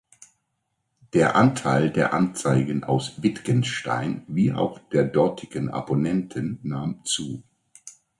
Der Anteil der Anzeigen aus Wittgenstein wie auch der dortigen Abonnenten nahm zu.